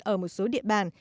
ở một số địa bàn